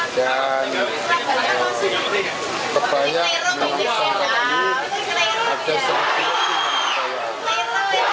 dan terbanyak menolong para ibu pada saat ini di jalan pahlawan